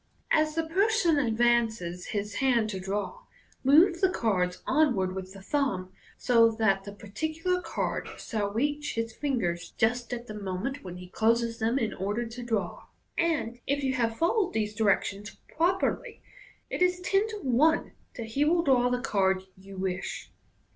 As the person advances his hand to draw, move the cards onward with the thumb, so that the particular card s'lall reach his fingers just at the moment when he closes them in order to draw $ and, if you have followed these directions properly, it is ten to one that he will draw the card you wish.